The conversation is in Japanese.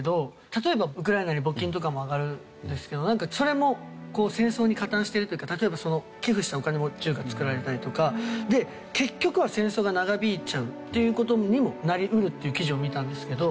例えばウクライナに募金とかも挙がるんですけどなんかそれも戦争に加担してるというか例えばその寄付したお金で銃が作られたりとかで結局は戦争が長引いちゃうっていう事にもなり得るっていう記事を見たんですけど。